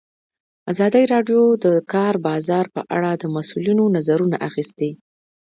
ازادي راډیو د د کار بازار په اړه د مسؤلینو نظرونه اخیستي.